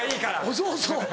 そうそう。